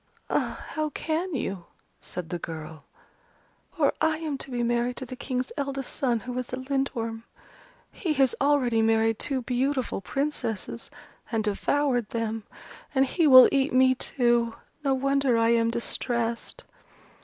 "Ah, how can you?" said the girl, "For I am to be married to the King's eldest son, who is a Lindworm. He has already married two beautiful Princesses, and devoured them: and he will eat me too! No wonder I am distressed."